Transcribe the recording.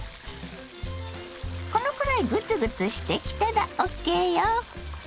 このくらいグツグツしてきたらＯＫよ。